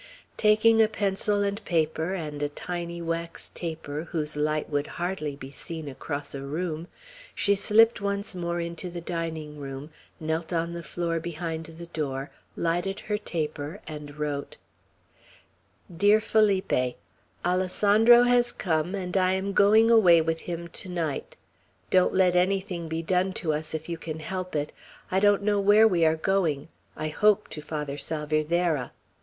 Taking a pencil and paper, and a tiny wax taper, whose light would hardly be seen across a room, she slipped once more into the dining room, knelt on the floor behind the door, lighted her taper, and wrote: "DEAR FELIPE, Alessandro has come, and I am going away with him to night. Don't let anything be done to us, if you can help it. I don't know where we are going. I hope, to Father Salvierderra.